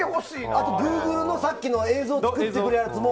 あと、グーグルのさっきの映像作ってくれるやつも。